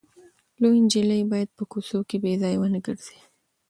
لويه نجلۍ باید په کوڅو کې بې ځایه ونه ګرځي.